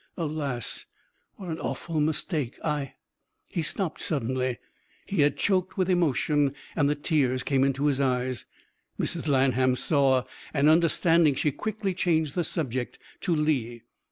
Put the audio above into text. Alas! what an awful mistake. I " He stopped suddenly. He had choked with emotion, and the tears came into his eyes. Mrs. Lanham saw, and, understanding, she quickly changed the subject to Lee.